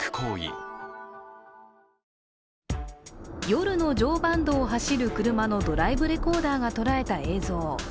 夜の常磐道を走るドライブレコーダーが捉えた映像。